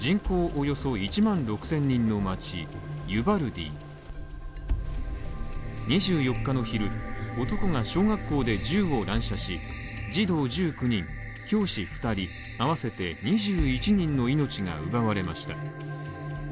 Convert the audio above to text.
およそ１万６０００人の町・ユバルディ２４日の昼、男が小学校で銃を乱射し、児童１９人教師２人合わせて２１人の命が奪われました。